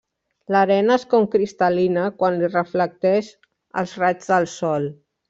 L'arena és com cristal·lina quan li reflecteix els raigs del sol.